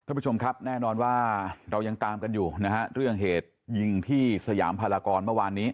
ท่านผู้ชมครับแน่นอนว่าเรายังตามกันอยู่นะฮะเรื่องเหตุยิงที่สยามพลากรเมื่อวานนี้